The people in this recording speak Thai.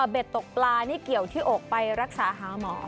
เบ็ดตกปลานี่เกี่ยวที่อกไปรักษาหาหมอ